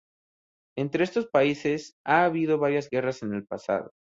Entre estos "países" ha habido varias guerras en el pasado.